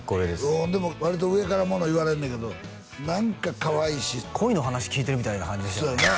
おでも割と上からもの言われんねんけど何かかわいいし恋の話聞いてるみたいな感じでしたよね